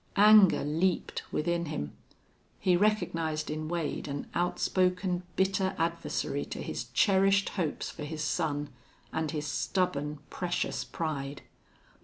Anger leaped within him. He recognized in Wade an outspoken, bitter adversary to his cherished hopes for his son and his stubborn, precious pride.